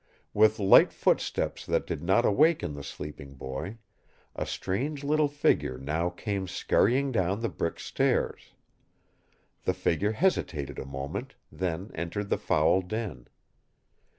With light footsteps that did not awaken the sleeping boy, a strange little figure now came scurrying down the brick stairs. The figure hesitated a moment, then entered the foul den.